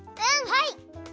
はい！